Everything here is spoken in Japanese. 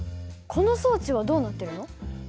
この装置はどうなってるの？